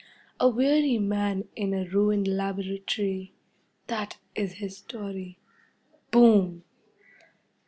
A weary man in a ruined laboratory, that is his story. Boom!